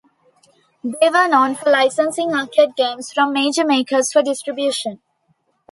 They were known for licensing arcade games from major makers for distribution.